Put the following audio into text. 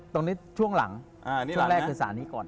ตรงนี้ช่วงหลังช่วงแรกคือสารนี้ก่อน